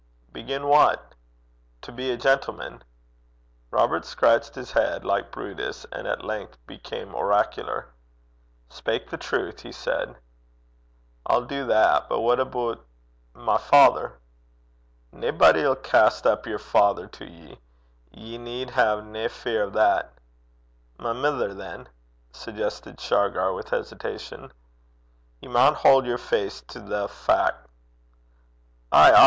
'Begin what?' 'To be a gentleman.' Robert scratched his head, like Brutus, and at length became oracular. 'Speyk the truth,' he said. 'I'll do that. But what aboot my father?' 'Naebody 'ill cast up yer father to ye. Ye need hae nae fear o' that.' 'My mither, than?' suggested Shargar, with hesitation. 'Ye maun haud yer face to the fac'.' 'Ay, ay.